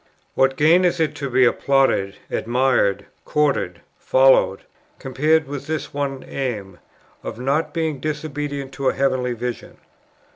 What gain is it to be applauded, admired, courted, followed, compared with this one aim, of not being disobedient to a heavenly vision?